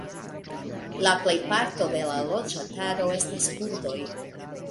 La plejparto de la loĝantaro estas kurdoj.